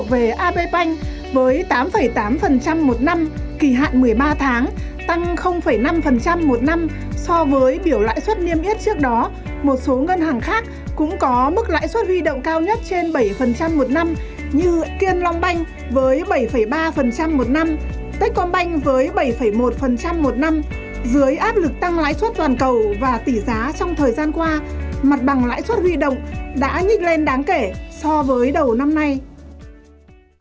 và tỷ giá trong thời gian qua mặt bằng lãi suất huy động đã nhích lên đáng kể so với đầu năm nay